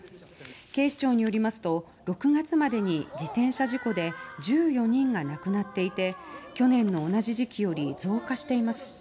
警視庁によりますと６月までに、自転車事故で１４人が亡くなっていて去年の同じ時期より増加しています。